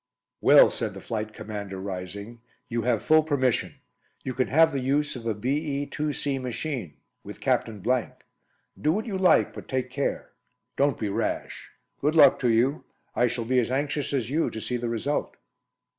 "Well," said the Flight Commander, rising, "you have full permission. You can have the use of a BE 2C machine, with Captain . Do what you like, but take care. Don't be rash. Good luck to you. I shall be as anxious as you to see the result."